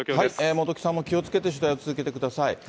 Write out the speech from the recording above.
元木さんも気をつけて取材を続けてください。